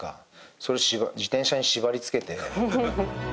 それを自転車に縛り付けて。